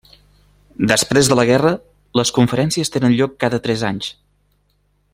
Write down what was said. Després de la guerra, les conferències tenen lloc cada tres anys.